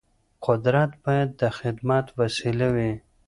قدرت باید د خدمت وسیله وي